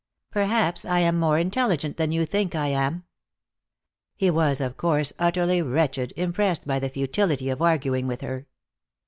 "Perhaps I am more intelligent than you think I am." He was, of course, utterly wretched, impressed by the futility of arguing with her.